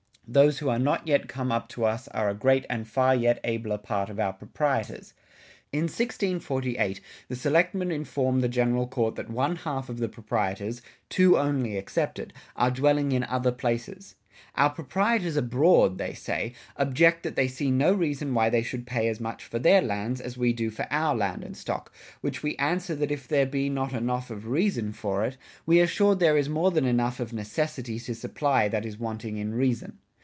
Those who are not yet come up to us are a great and far yet abler part of our Proprietors .. ."[57:4] In 1684 the selectmen inform the General Court that one half of the proprietors, two only excepted, are dwelling in other places, "Our proprietors, abroad," say they, "object that they see no reason why they should pay as much for thayer lands as we do for our Land and stock, which we answer that if their be not a noff of reason for it, we are sure there is more than enough of necessity to supply that is wanting in reason."